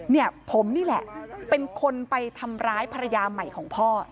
เนี่ยผมนี่แหละเป็นคนไปทำร้ายภรรยาใหม่ของพ่อ